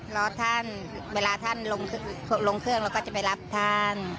รอท่านเวลาท่านลงเครื่องเราก็จะไปรับท่าน